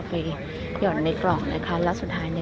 มันเป็นสิ่งที่จะให้ทุกคนรู้สึกว่า